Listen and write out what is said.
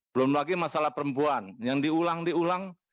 belum lagi masalah perempuan yang diulang diulang